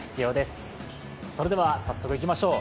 それでは早速いきましょう。